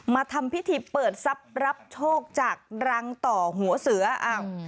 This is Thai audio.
มาทำพิธีเปิดทรัพย์รับโชคจากรังต่อหัวเสืออ้าว